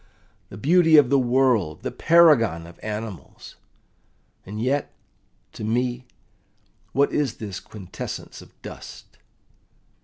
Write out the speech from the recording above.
The beauty of the world, the paragon of animals! And yet, to me, what is this quintessence of dust?